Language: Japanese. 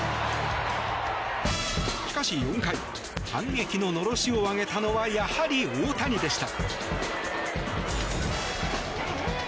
しかし、４回反撃ののろしを上げたのはやはり大谷でした。